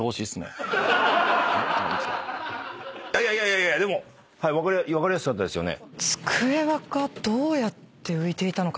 いやいやでも分かりやすかったですよね。